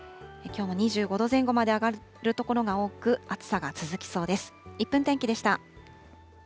きょうも２５度前後まで上がる所が多く、暑さが続きそうです。